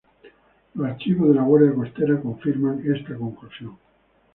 Los archivos de la Guardia Costera confirman esta conclusión.